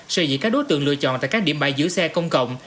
sự dị các đối tượng lựa chọn tại các điểm bãi giữ xe công cộng